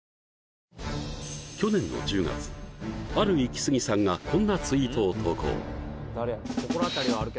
去年の１０月あるイキスギさんがこんなツイートを投稿そう